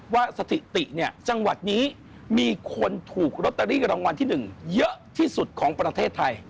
สถิติเนี่ยจังหวัดนี้มีคนถูกลอตเตอรี่รางวัลที่๑เยอะที่สุดของประเทศไทย